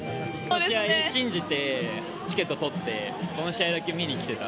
信じてチケットを取ってこの試合だけ見に来てた。